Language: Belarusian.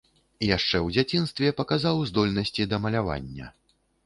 Яшчэ ў дзяцінстве паказаў здольнасці да малявання.